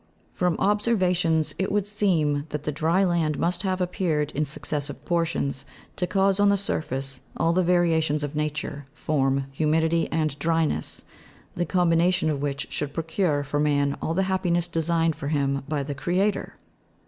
From observations, it would seem that the dry land must have appeared in successive portions, to cause on the surface all the variations of nature, form, humidity, and dryness, the combination of which should procure for man all the happiness designed for him by the Creator.